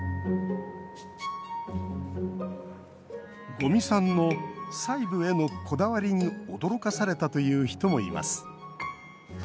五味さんの細部へのこだわりに驚かされたという人もいます。